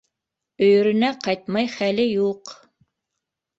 Өйөрөнә ҡайтмай хәле юҡ.